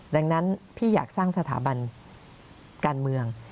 ดังนั้นพี่อยากสร้างสถาบันการเมือง